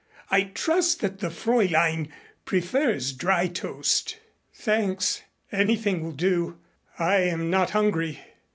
I trust that the Fräulein prefers dry toast." "Thanks, anything will do. I am not hungry."